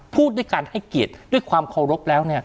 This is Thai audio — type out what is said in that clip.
พูดด้วยการให้เกียรติด้วยความเคารพแล้ว